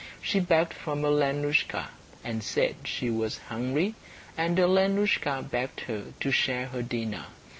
She begged from Alenoushka, and said she was hungry, and Alenoushka begged her to share her dinner.